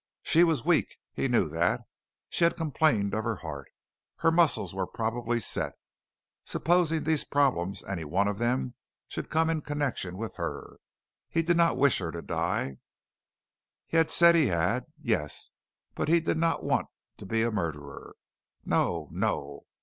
She was weak, he knew that. She had complained of her heart. Her muscles were probably set. Supposing these problems, any one of them, should come in connection with her. He did not wish her to die. He had said he had yes, but he did not want to be a murderer. No, no!